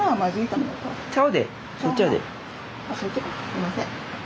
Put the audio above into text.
すみません。